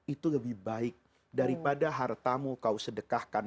itu lebih baik daripada hartamu kau sedekahkan